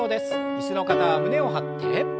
椅子の方は胸を張って。